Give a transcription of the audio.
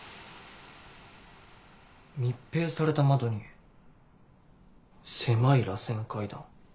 密閉された窓に狭いらせん階段。